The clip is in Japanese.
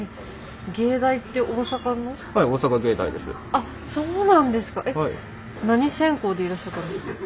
あっそうなんですか。